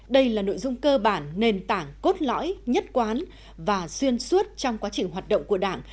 đây là nội dung cơ bản nền tảng cốt lõi nhất quán và xuyên suốt trong quá trình hoạt động của đảng